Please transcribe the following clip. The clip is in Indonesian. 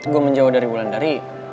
gue menjauh dari wulan dari